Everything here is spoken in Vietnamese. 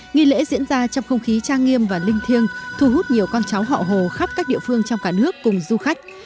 nghi lễ diễn ra trong không khí trang nghiêm và linh thiêng thu hút nhiều con cháu họ hồ khắp các địa phương trong cả nước cùng du khách